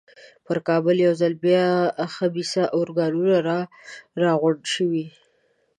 پر کابل یو ځل بیا خبیثه ارواګانې را غونډې شوې.